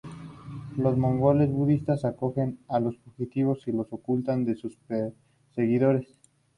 Los monjes budistas acogen a los fugitivos y los ocultan de sus perseguidores.